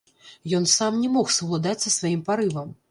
Ён сам не мог саўладаць са сваім парывам.